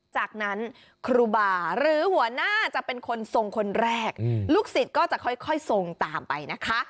จากนั้นครูบาหรือหัวหน้าจะเป็นคนทรงคนแรกลูกศิษย์ก็จะค่อยทรงตามไปนะคะ